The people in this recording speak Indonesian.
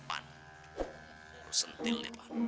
pan gue sentil deh pan